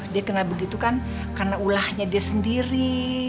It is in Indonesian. dia kena begitu kan karena ulahnya dia sendiri